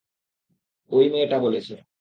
ঐ মেয়েটা বলেছে।